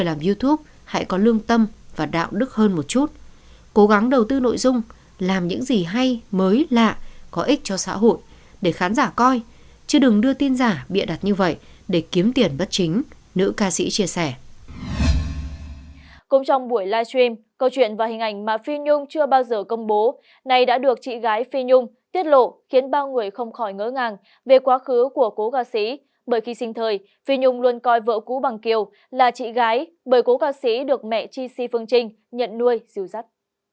là chị gái bởi cô ca sĩ được mẹ tri di phương trinh nhận nuôi dịu dắt